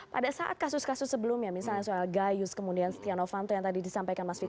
pada saat kasus kasus sebelumnya misalnya soal gayus kemudian setia novanto yang tadi disampaikan mas vito